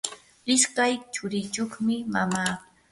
ishkay churiyuqmi mama.